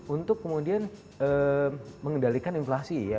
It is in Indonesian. untuk kemudian mengendalikan inflasi ya